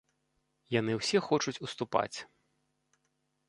Яны ўсе хочуць уступаць.